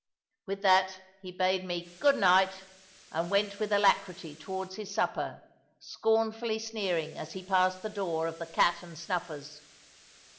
With that he bade me "good night," and went with alacrity towards his supper, scornfully sneering as he passed the door of the "Cat and Snuffers."